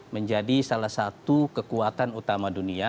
menjadi salah satu kekuatan utama dunia